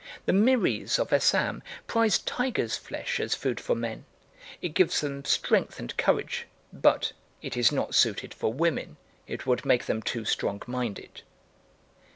The Miris of Assam prize tiger's flesh as food for men; it gives them strength and courage. But "it is not suited for women; it would make them too strong minded."